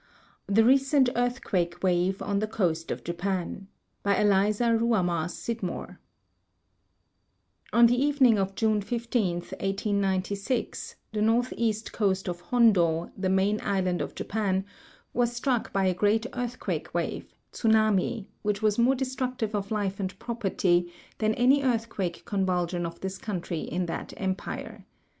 9 THE RECENT EARTHQUAKE WAVE ON THE COAST OF JAPAN By Eliza Ruhamah Scidmore On the evening of June 15, 1896, the northeast coast of Hondo, the main island of Japan, was struck by a great earthquake ivave {tsunami), wliich was more destructive of life and property than any earthquake convulsion of this century in that empire.